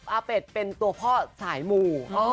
อาเป็ดเป็นตัวพ่อสายมู